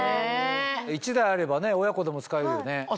１台あれば親子でも使えるよね。